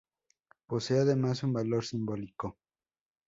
Posee además un valor simbólico.